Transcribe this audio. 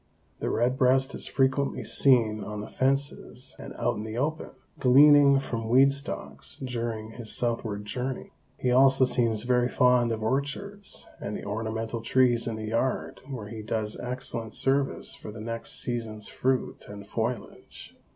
The red breast is frequently seen on the fences and out in the open, gleaning from weed stalks, during his southward journey. He also seems very fond of orchards and the ornamental trees in the yard where he does excellent service for the next season's fruit and foliage.